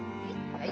はい。